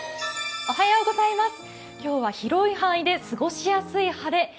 今日は広い範囲で過ごしやすい晴れ。